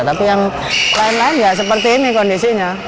tapi yang lain lain ya seperti ini kondisinya